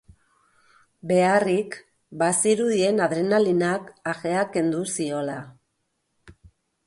Beharrik, bazirudien adrenalinak ajea kendu ziola.